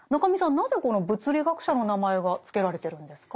なぜこの物理学者の名前がつけられてるんですか？